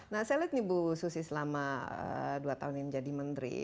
nah saya lihat nih bu susi selama dua tahun ini menjadi menteri